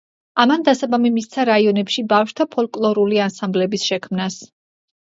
ამან დასაბამი მისცა რაიონებში ბავშვთა ფოლკლორული ანსამბლების შექმნას.